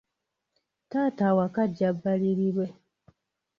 Taata awaka ajja bbalirirwe.